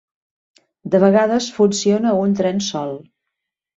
De vegades funciona un tren sol.